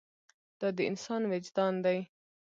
دا د انسان وجدان دی.